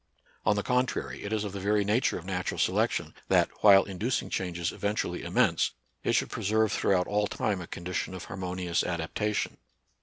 On the contrary, it is of the very nature of natural selection, that, while inducing changes eventu ally immense, it should preserve throughout all time a condition of harmonious adaptation.